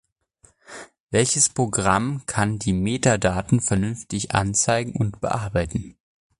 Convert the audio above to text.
Welches Programm kann die Metadaten vernünftig anzeigen und bearbeiten?